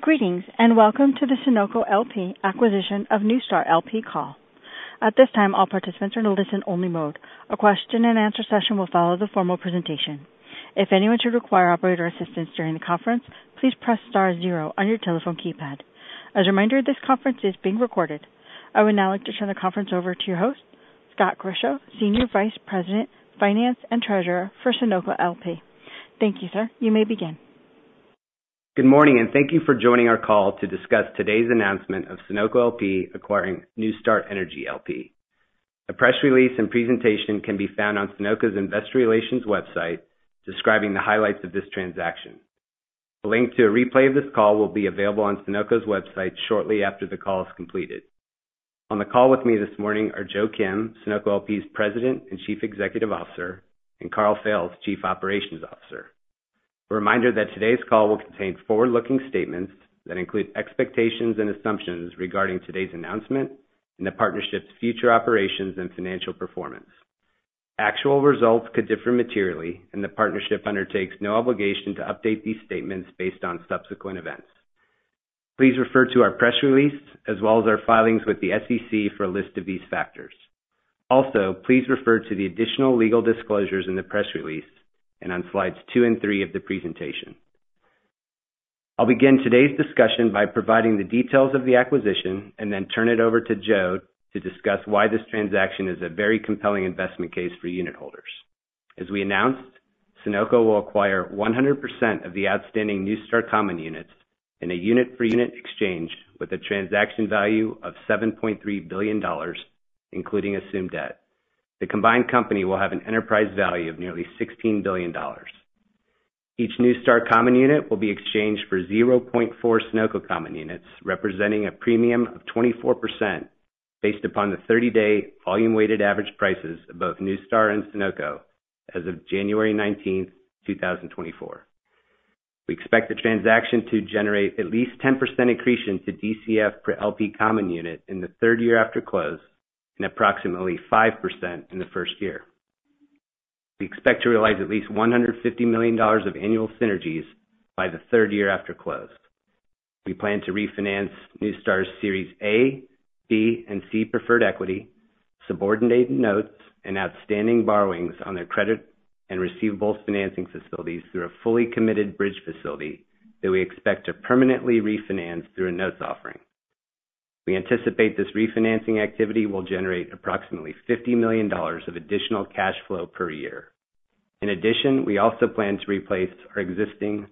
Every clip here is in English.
Greetings, and welcome to the Sunoco LP acquisition of NuStar LP call. At this time, all participants are in listen-only mode. A question and answer session will follow the formal presentation. If anyone should require operator assistance during the conference, please press star zero on your telephone keypad. As a reminder, this conference is being recorded. I would now like to turn the conference over to your host, Scott Grischow, Senior Vice President, Finance and Treasurer for Sunoco LP. Thank you, sir. You may begin. Good morning, and thank you for joining our call to discuss today's announcement of Sunoco LP acquiring NuStar Energy LP. A press release and presentation can be found on Sunoco's investor relations website, describing the highlights of this transaction. A link to a replay of this call will be available on Sunoco's website shortly after the call is completed. On the call with me this morning are Joe Kim, Sunoco LP's President and Chief Executive Officer, and Karl Fails, Chief Operating Officer. A reminder that today's call will contain forward-looking statements that include expectations and assumptions regarding today's announcement and the partnership's future operations and financial performance. Actual results could differ materially, and the partnership undertakes no obligation to update these statements based on subsequent events. Please refer to our press release as well as our filings with the SEC for a list of these factors. Also, please refer to the additional legal disclosures in the press release and on slides two and three of the presentation. I'll begin today's discussion by providing the details of the acquisition and then turn it over to Joe to discuss why this transaction is a very compelling investment case for unitholders. As we announced, Sunoco will acquire 100% of the outstanding NuStar common units in a unit-for-unit exchange with a transaction value of $7.3 billion, including assumed debt. The combined company will have an enterprise value of nearly $16 billion. Each NuStar common unit will be exchanged for 0.4 Sunoco common units, representing a premium of 24% based upon the 30-day volume-weighted average prices of both NuStar and Sunoco as of January 19, 2024. We expect the transaction to generate at least 10% accretion to DCF per LP common unit in the third year after close and approximately 5% in the first year. We expect to realize at least $150 million of annual synergies by the third year after close. We plan to refinance NuStar's Series A, B, and C preferred equity, subordinated notes, and outstanding borrowings on their credit and receivables financing facilities through a fully committed bridge facility that we expect to permanently refinance through a notes offering. We anticipate this refinancing activity will generate approximately $50 million of additional cash flow per year. In addition, we also plan to replace our existing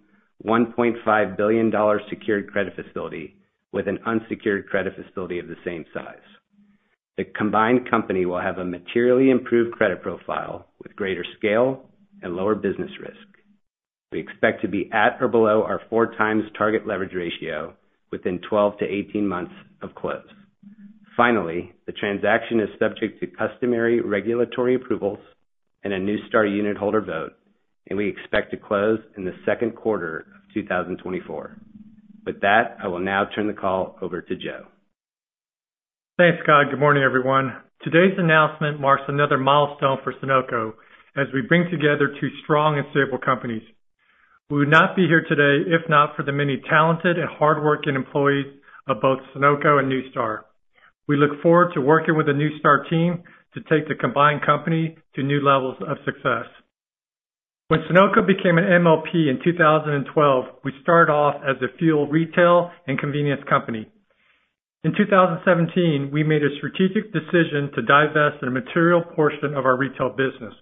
$1.5 billion secured credit facility with an unsecured credit facility of the same size. The combined company will have a materially improved credit profile with greater scale and lower business risk. We expect to be at or below our 4x target leverage ratio within 12-18 months of close. Finally, the transaction is subject to customary regulatory approvals and a NuStar unitholder vote, and we expect to close in the second quarter of 2024. With that, I will now turn the call over to Joe. Thanks, Scott. Good morning, everyone. Today's announcement marks another milestone for Sunoco as we bring together two strong and stable companies. We would not be here today if not for the many talented and hardworking employees of both Sunoco and NuStar. We look forward to working with the NuStar team to take the combined company to new levels of success. When Sunoco became an MLP in 2012, we started off as a fuel, retail, and convenience company. In 2017, we made a strategic decision to divest a material portion of our retail business.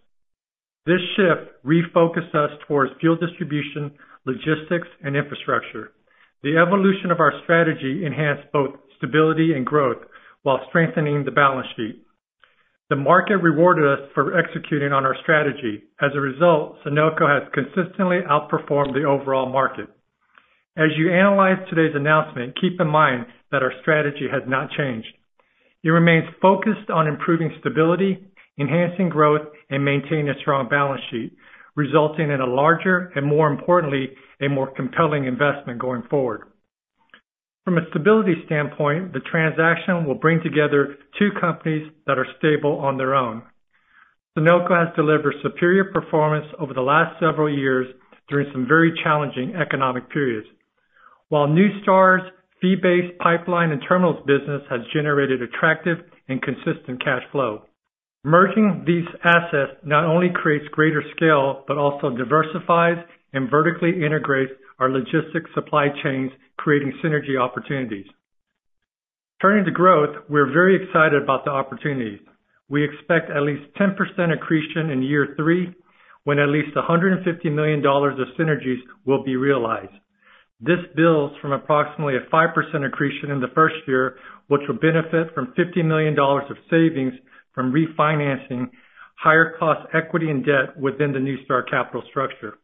This shift refocused us towards fuel distribution, logistics, and infrastructure. The evolution of our strategy enhanced both stability and growth while strengthening the balance sheet. The market rewarded us for executing on our strategy. As a result, Sunoco has consistently outperformed the overall market. As you analyze today's announcement, keep in mind that our strategy has not changed. It remains focused on improving stability, enhancing growth, and maintaining a strong balance sheet, resulting in a larger and, more importantly, a more compelling investment going forward. From a stability standpoint, the transaction will bring together two companies that are stable on their own. Sunoco has delivered superior performance over the last several years during some very challenging economic periods, while NuStar's fee-based pipeline and terminals business has generated attractive and consistent cash flow. Merging these assets not only creates greater scale, but also diversifies and vertically integrates our logistics supply chains, creating synergy opportunities. Turning to growth, we're very excited about the opportunities. We expect at least 10% accretion in year three, when at least $150 million of synergies will be realized. This builds from approximately a 5% accretion in the first year, which will benefit from $50 million of savings from refinancing higher-cost equity and debt within the NuStar capital structure.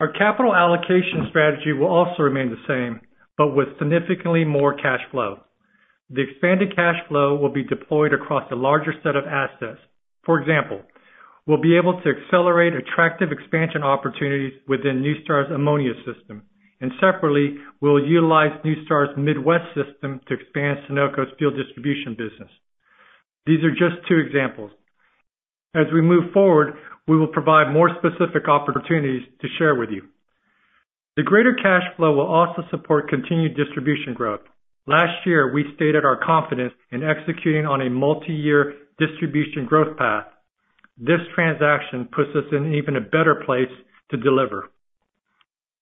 Our capital allocation strategy will also remain the same, but with significantly more cash flow. The expanded cash flow will be deployed across a larger set of assets. For example, we'll be able to accelerate attractive expansion opportunities within NuStar's ammonia system, and separately, we'll utilize NuStar's Midwest system to expand Sunoco's fuel distribution business. These are just two examples. As we move forward, we will provide more specific opportunities to share with you. The greater cash flow will also support continued distribution growth. Last year, we stated our confidence in executing on a multiyear distribution growth path. This transaction puts us in even a better place to deliver.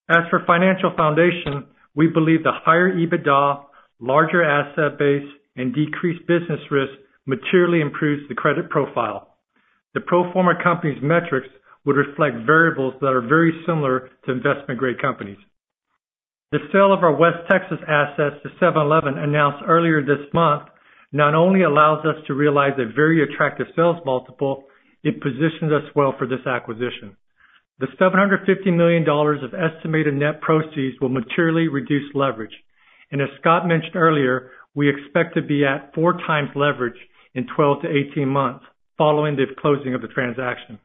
As for financial foundation, we believe the higher EBITDA, larger asset base, and decreased business risk materially improves the credit profile. The pro forma company's metrics would reflect variables that are very similar to investment-grade companies. The sale of our West Texas assets to 7-Eleven, announced earlier this month, not only allows us to realize a very attractive sales multiple, it positions us well for this acquisition. The $750 million of estimated net proceeds will materially reduce leverage. And as Scott mentioned earlier, we expect to be at 4x leverage in 12-18 months following the closing of the transaction.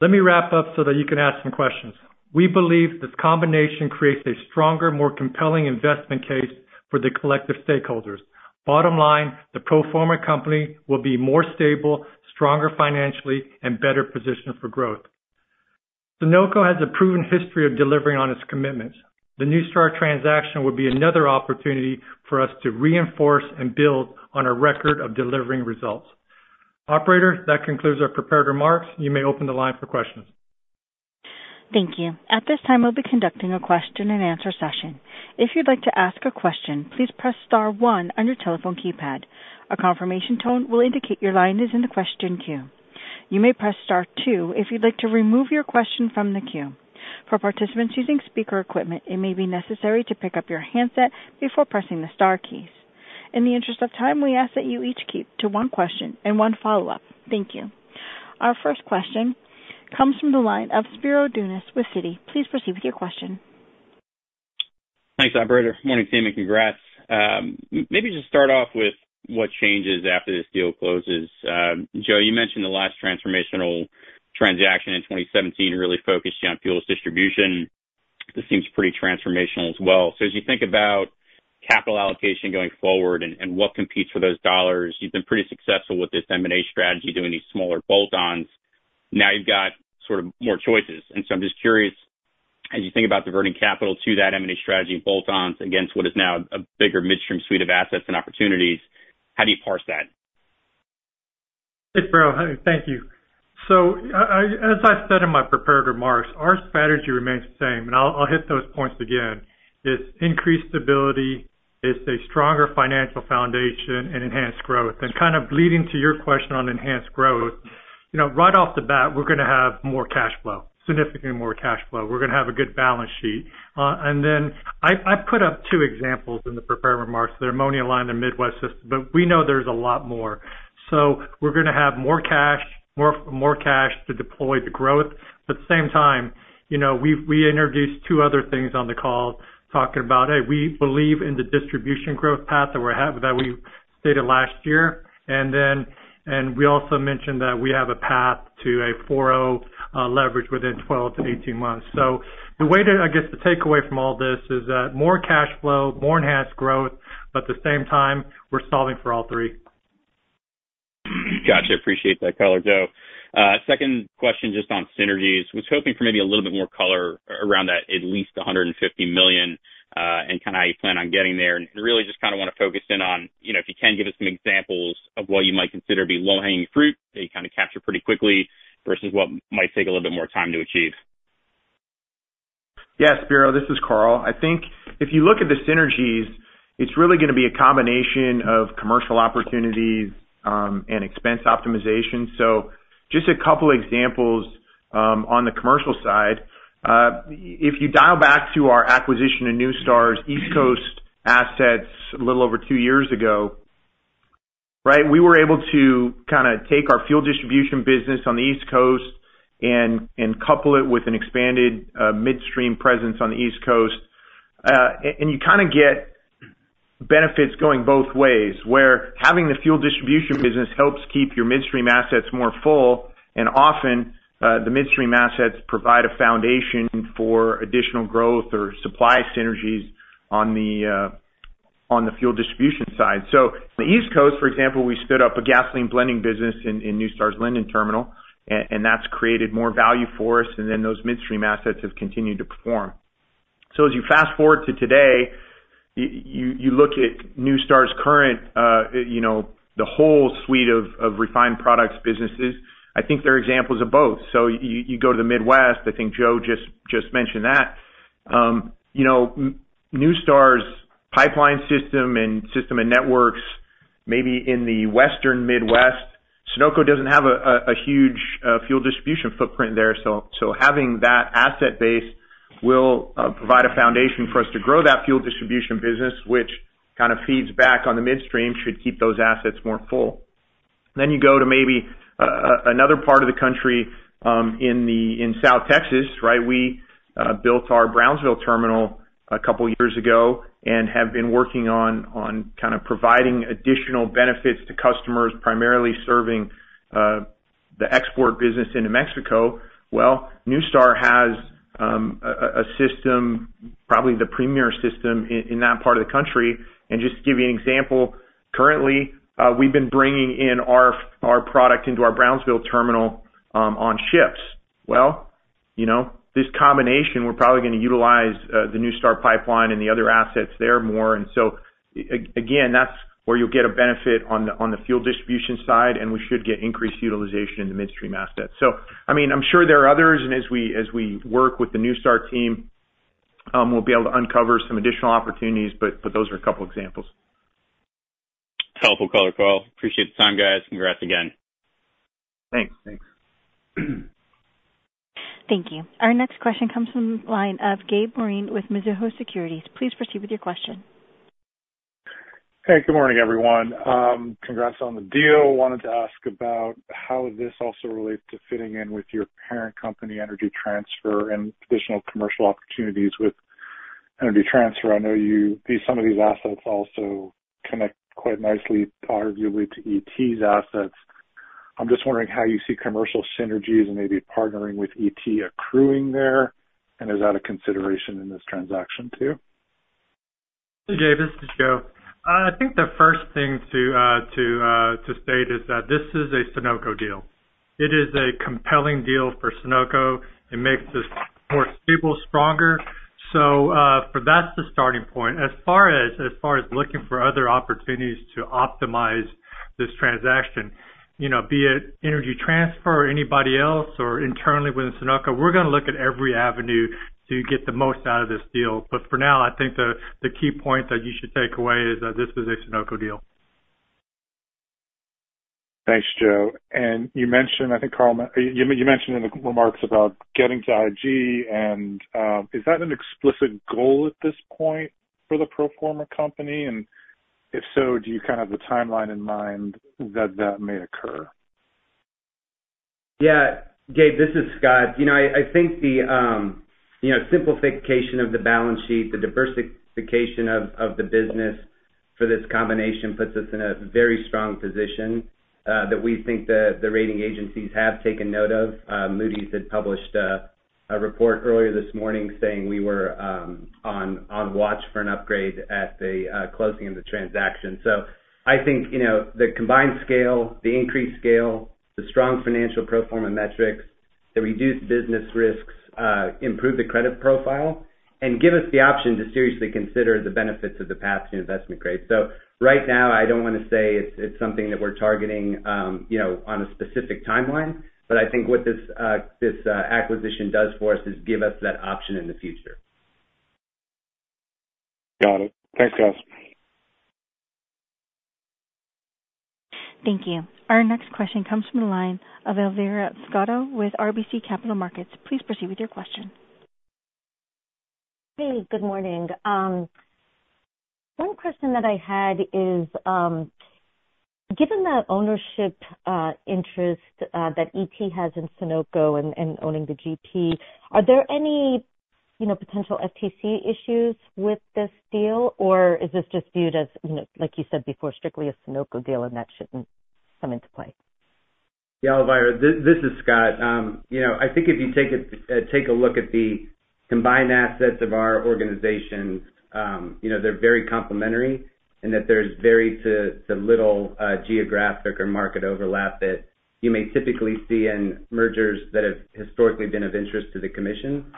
Let me wrap up so that you can ask some questions. We believe this combination creates a stronger, more compelling investment case for the collective stakeholders. Bottom line, the pro forma company will be more stable, stronger financially, and better positioned for growth. Sunoco has a proven history of delivering on its commitments. The NuStar transaction will be another opportunity for us to reinforce and build on our record of delivering results. Operator, that concludes our prepared remarks. You may open the line for questions. Thank you. At this time, we'll be conducting a question-and-answer session. If you'd like to ask a question, please press star one on your telephone keypad. A confirmation tone will indicate your line is in the question queue. You may press star two if you'd like to remove your question from the queue. For participants using speaker equipment, it may be necessary to pick up your handset before pressing the star keys. In the interest of time, we ask that you each keep to one question and one follow-up. Thank you. Our first question comes from the line of Spiro Dounis with Citi. Please proceed with your question. Thanks, operator. Morning, team, and congrats. Maybe just start off with what changes after this deal closes. Joe, you mentioned the last transformational transaction in 2017 really focused on fuels distribution. This seems pretty transformational as well. So as you think about capital allocation going forward and what competes for those dollars, you've been pretty successful with this M&A strategy, doing these smaller bolt-ons. Now you've got sort of more choices, and so I'm just curious, as you think about diverting capital to that M&A strategy and bolt-ons against what is now a bigger midstream suite of assets and opportunities, how do you parse that? Hey, Spiro. Hi, thank you. So as I said in my prepared remarks, our strategy remains the same, and I'll hit those points again. It's increased stability, it's a stronger financial foundation and enhanced growth. And kind of leading to your question on enhanced growth, you know, right off the bat, we're gonna have more cash flow, significantly more cash flow. We're gonna have a good balance sheet. And then I've put up two examples in the prepared remarks, the ammonia line, the Midwest system, but we know there's a lot more. So we're gonna have more cash, more cash to deploy the growth, but at the same time, you know, we've introduced two other things on the call, talking about, hey, we believe in the distribution growth path that we have that we stated last year. And then we also mentioned that we have a path to 4.0x leverage within 12-18 months. So the way to, I guess, the takeaway from all this is that more cash flow, more enhanced growth, but at the same time, we're solving for all three. Gotcha, appreciate that color, Joe. Second question, just on synergies. Was hoping for maybe a little bit more color around that, at least $150 million, and kind of how you plan on getting there. And really just kind of wanna focus in on, you know, if you can give us some examples of what you might consider to be low-hanging fruit, that you kind of capture pretty quickly, versus what might take a little bit more time to achieve. Yeah, Spiro, this is Karl. I think if you look at the synergies, it's really gonna be a combination of commercial opportunities, and expense optimization. So just a couple examples, on the commercial side. If you dial back to our acquisition of NuStar's East Coast assets a little over two years ago, right? We were able to kind of take our fuel distribution business on the East Coast and couple it with an expanded midstream presence on the East Coast. And you kind of get benefits going both ways, where having the fuel distribution business helps keep your midstream assets more full, and often, the midstream assets provide a foundation for additional growth or supply synergies on the fuel distribution side. So the East Coast, for example, we stood up a gasoline blending business in NuStar's Linden Terminal, and that's created more value for us, and then those midstream assets have continued to perform. So as you fast-forward to today, you look at NuStar's current, you know, the whole suite of refined products businesses, I think they're examples of both. So you go to the Midwest, I think Joe just mentioned that. You know, NuStar's pipeline system and networks, maybe in the Western Midwest, Sunoco doesn't have a huge fuel distribution footprint there, so having that asset base will provide a foundation for us to grow that fuel distribution business, which kind of feeds back on the midstream, should keep those assets more full. Then you go to maybe another part of the country in South Texas, right? We built our Brownsville terminal a couple years ago and have been working on kind of providing additional benefits to customers, primarily serving the export business in Mexico. Well, NuStar has a system, probably the premier system in that part of the country. And just to give you an example, currently, we've been bringing in our product into our Brownsville terminal on ships. Well, you know, this combination, we're probably going to utilize the NuStar pipeline and the other assets there more. And so again, that's where you'll get a benefit on the fuel distribution side, and we should get increased utilization in the midstream assets. I mean, I'm sure there are others, and as we work with the NuStar team, we'll be able to uncover some additional opportunities, but those are a couple examples. Helpful color call. Appreciate the time, guys. Congrats again. Thanks. Thanks. Thank you. Our next question comes from the line of Gabe Moreen with Mizuho Securities. Please proceed with your question. Hey, good morning, everyone. Congrats on the deal. Wanted to ask about how this also relates to fitting in with your parent company, Energy Transfer, and additional commercial opportunities with Energy Transfer. I know these, some of these assets also connect quite nicely, arguably, to ET's assets. I'm just wondering how you see commercial synergies and maybe partnering with ET accruing there, and is that a consideration in this transaction, too? Hey, Gabe, this is Joe. I think the first thing to state is that this is a Sunoco deal. It is a compelling deal for Sunoco. It makes us more stable, stronger. So, that's the starting point. As far as looking for other opportunities to optimize this transaction, you know, be it Energy Transfer or anybody else, or internally within Sunoco, we're gonna look at every avenue to get the most out of this deal. But for now, I think the key point that you should take away is that this is a Sunoco deal. Thanks, Joe. And you mentioned, I think, Karl, you mentioned in the remarks about getting to IG, and is that an explicit goal at this point for the pro forma company? And if so, do you kind of have a timeline in mind that that may occur? Yeah. Gabe, this is Scott. You know, I think the, you know, simplification of the balance sheet, the diversification of the business for this combination puts us in a very strong position, that we think the rating agencies have taken note of. Moody's had published a report earlier this morning saying we were on watch for an upgrade at the closing of the transaction. So I think, you know, the combined scale, the increased scale, the strong financial pro forma metrics, the reduced business risks improve the credit profile and give us the option to seriously consider the benefits of the path to investment grade. So right now, I don't want to say it's something that we're targeting, you know, on a specific timeline, but I think what this acquisition does for us is give us that option in the future. Got it. Thanks, guys. Thank you. Our next question comes from the line of Elvira Scotto with RBC Capital Markets. Please proceed with your question. Hey, good morning. One question that I had is, given the ownership interest that ET has in Sunoco and owning the GP, are there any, you know, potential FTC issues with this deal? Or is this just viewed as, you know, like you said before, strictly a Sunoco deal and that shouldn't come into play? Yeah, Elvira, this is Scott. You know, I think if you take a look at the combined assets of our organizations, you know, they're very complementary and that there's very little geographic or market overlap that you may typically see in mergers that have historically been of interest to the Commission.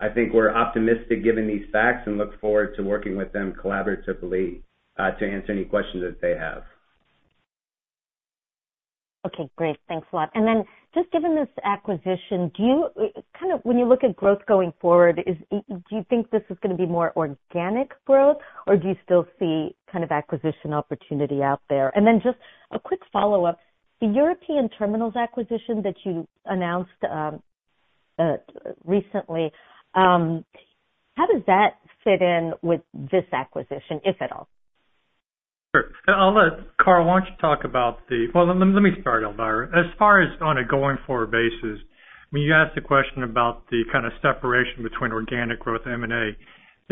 I think we're optimistic given these facts, and look forward to working with them collaboratively to answer any questions that they have. Okay, great. Thanks a lot. And then, just given this acquisition, do you... kind of, when you look at growth going forward, is, do you think this is gonna be more organic growth, or do you still see kind of acquisition opportunity out there? And then just a quick follow-up. The European terminals acquisition that you announced, recently, how does that fit in with this acquisition, if at all? Sure. Well, let me start, Elvira. As far as on a going-forward basis, when you asked the question about the kind of separation between organic growth and M&A,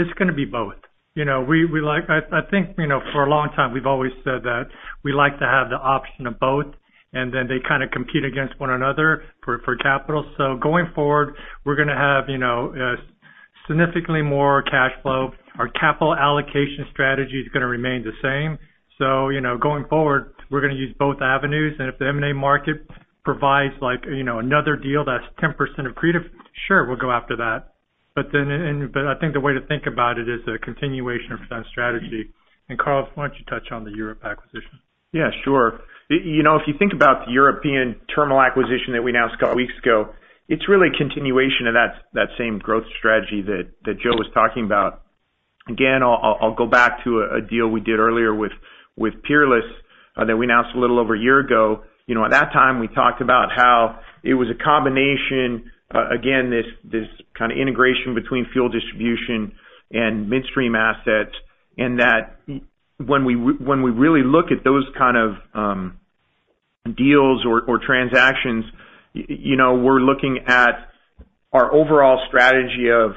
it's gonna be both. You know, we like—I think, you know, for a long time, we've always said that we like to have the option of both, and then they kind of compete against one another for capital. So going forward, we're gonna have, you know, significantly more cash flow. Our capital allocation strategy is gonna remain the same. So, you know, going forward, we're gonna use both avenues, and if the M&A market provides like, you know, another deal, that's 10% accretive, sure, we'll go after that. But then, and, but I think the way to think about it is a continuation of that strategy. Karl, why don't you touch on the Europe acquisition? Yeah, sure. You know, if you think about the European terminal acquisition that we announced a few weeks ago, it's really a continuation of that same growth strategy that Joe was talking about. Again, I'll go back to a deal we did earlier with Peerless that we announced a little over a year ago. You know, at that time, we talked about how it was a combination, again, this kind of integration between fuel distribution and midstream assets, and that when we really look at those kind of deals or transactions, you know, we're looking at our overall strategy of...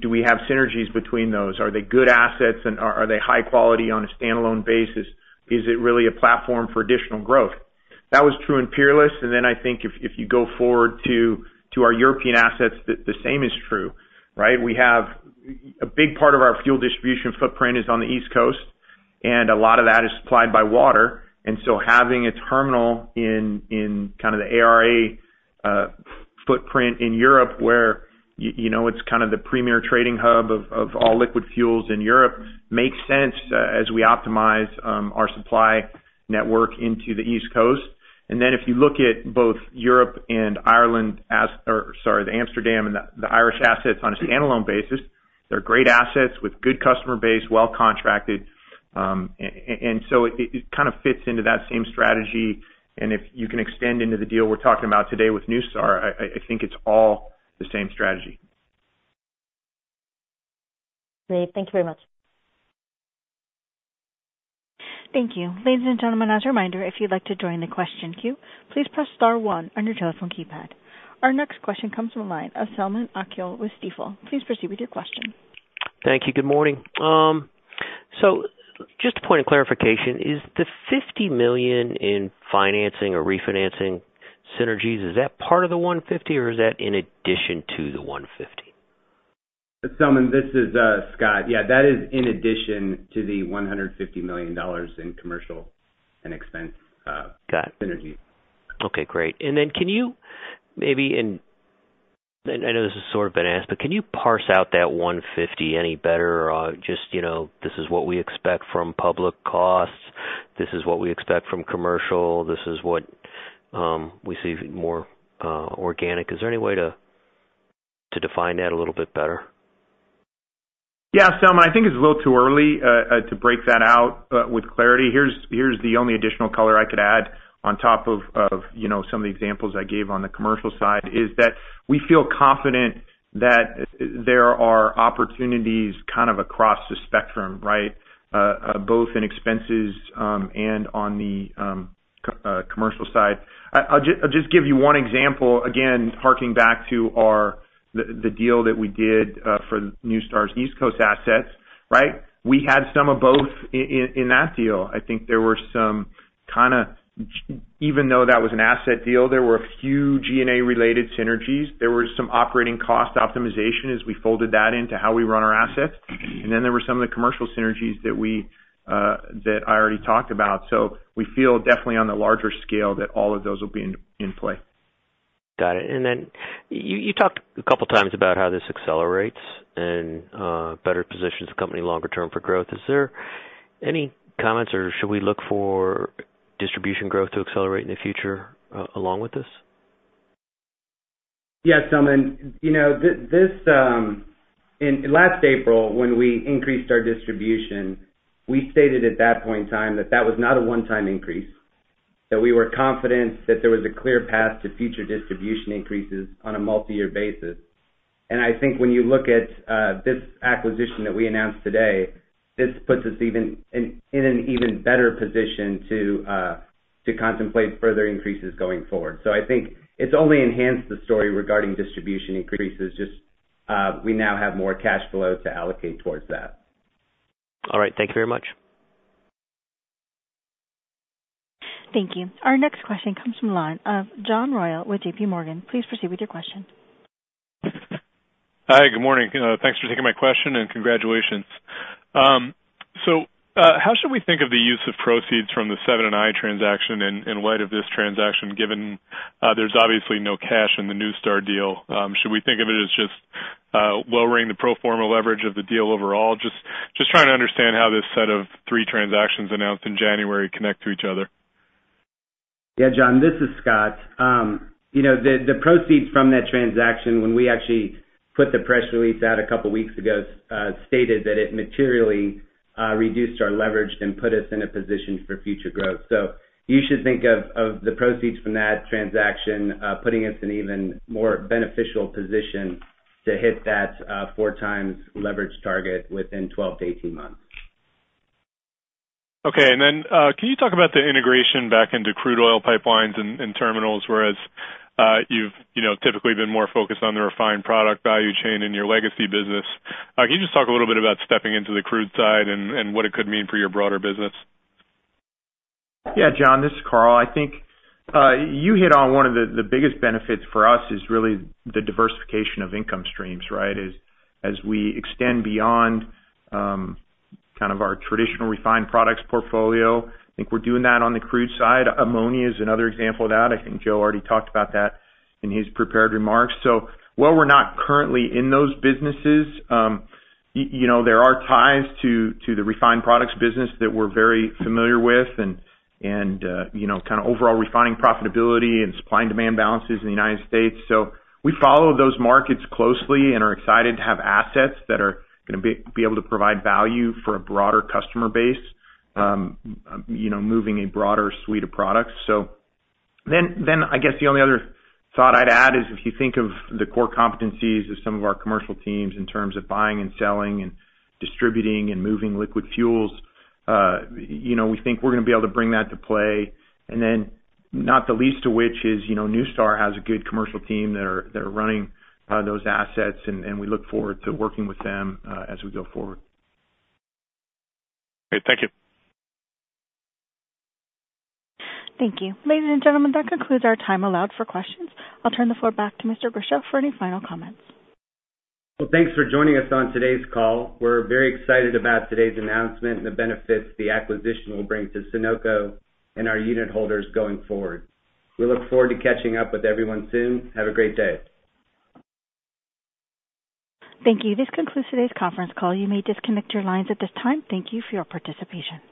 Do we have synergies between those? Are they good assets, and are they high quality on a standalone basis? Is it really a platform for additional growth? That was true in Peerless, and then I think if you go forward to our European assets, the same is true, right? We have a big part of our fuel distribution footprint is on the East Coast, and a lot of that is supplied by water. And so having a terminal in kind of the ARA footprint in Europe, where you know, it's kind of the premier trading hub of all liquid fuels in Europe, makes sense, as we optimize our supply network into the East Coast. And then if you look at both Europe and Ireland as... or sorry, the Amsterdam and the Irish assets on a standalone basis, they're great assets with good customer base, well contracted. And so it kind of fits into that same strategy. If you can extend into the deal we're talking about today with NuStar, I think it's all the same strategy. Great. Thank you very much. Thank you. Ladies and gentlemen, as a reminder, if you'd like to join the question queue, please press star one on your telephone keypad. Our next question comes from the line of Selman Akyol with Stifel. Please proceed with your question. Thank you. Good morning. Just a point of clarification, is the $50 million in financing or refinancing synergies, is that part of the $150 million or is that in addition to the $150 million? Selman, this is Scott. Yeah, that is in addition to the $150 million in commercial and expense. Got it. Synergy. Okay, great. And then can you maybe, and I know this has sort of been asked, but can you parse out that $150 million any better? Or just, you know, this is what we expect from public costs, this is what we expect from commercial, this is what we see more organic. Is there any way to define that a little bit better? Yeah, Selman, I think it's a little too early to break that out with clarity. Here's the only additional color I could add on top of you know, some of the examples I gave on the commercial side, is that we feel confident that there are opportunities kind of across the spectrum, right? Both in expenses and on the commercial side. I'll just give you one example, again, harking back to the deal that we did for NuStar's East Coast assets, right? We had some of both in that deal. I think there were some kind of, even though that was an asset deal, there were a few G&A-related synergies. There were some operating cost optimization as we folded that into how we run our assets. And then there were some of the commercial synergies that we, that I already talked about. So we feel definitely on the larger scale, that all of those will be in play. Got it. And then you talked a couple times about how this accelerates and, better positions the company longer term for growth. Is there any comments, or should we look for distribution growth to accelerate in the future, along with this? Yeah, Selman, you know, last April, when we increased our distribution, we stated at that point in time that that was not a one-time increase, that we were confident that there was a clear path to future distribution increases on a multi-year basis. And I think when you look at this acquisition that we announced today, this puts us even in an even better position to contemplate further increases going forward. So I think it's only enhanced the story regarding distribution increases, just we now have more cash flow to allocate towards that. All right. Thank you very much. Thank you. Our next question comes from the line of John Royall with JPMorgan. Please proceed with your question. Hi, good morning. Thanks for taking my question, and congratulations. So, how should we think of the use of proceeds from the Seven & i transaction in light of this transaction, given there's obviously no cash in the NuStar deal? Should we think of it as just lowering the pro forma leverage of the deal overall? Just trying to understand how this set of three transactions announced in January connect to each other. Yeah, John, this is Scott. You know, the proceeds from that transaction, when we actually put the press release out a couple weeks ago, stated that it materially reduced our leverage and put us in a position for future growth. So you should think of the proceeds from that transaction, putting us in even more beneficial position to hit that 4x leverage target within 12-18 months. Okay. And then, can you talk about the integration back into crude oil pipelines and terminals, whereas, you've, you know, typically been more focused on the refined product value chain in your legacy business? Can you just talk a little bit about stepping into the crude side and what it could mean for your broader business? Yeah, John, this is Karl. I think you hit on one of the biggest benefits for us, is really the diversification of income streams, right? Is as we extend beyond kind of our traditional refined products portfolio, I think we're doing that on the crude side. Ammonia is another example of that. I think Joe already talked about that in his prepared remarks. So while we're not currently in those businesses, you know, there are ties to the refined products business that we're very familiar with, and you know, kind of overall refining profitability and supply and demand balances in the United States. So we follow those markets closely and are excited to have assets that are gonna be able to provide value for a broader customer base, you know, moving a broader suite of products. So then, I guess the only other thought I'd add is, if you think of the core competencies of some of our commercial teams in terms of buying and selling and distributing and moving liquid fuels, you know, we think we're gonna be able to bring that to play. And then, not the least of which is, you know, NuStar has a good commercial team that are running those assets, and we look forward to working with them as we go forward. Great. Thank you. Thank you. Ladies and gentlemen, that concludes our time allowed for questions. I'll turn the floor back to Mr. Grischow for any final comments. Well, thanks for joining us on today's call. We're very excited about today's announcement and the benefits the acquisition will bring to Sunoco and our unitholders going forward. We look forward to catching up with everyone soon. Have a great day. Thank you. This concludes today's conference call. You may disconnect your lines at this time. Thank you for your participation.